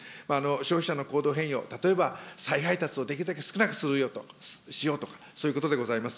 消費者の行動変容、例えば再配達をできるだけ少なくするよとか、使用とか、そういうことでございます。